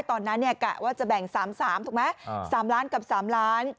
ตอนนั้นเนี่ยแกะว่าจะแบ่ง๓๓ถูกไหม๓ล้านกับ๓ล้าน